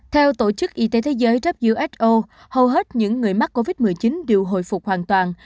theo tổ chức y tế thế giới who hầu hết những người mắc covid một mươi chín đều hồi phục hoàn toàn